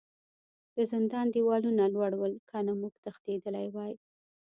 د زندان دیوالونه لوړ ول کنه موږ به تښتیدلي وای